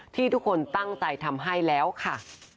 ที่ทุกคนตั้งใจทำให้แล้วค่ะ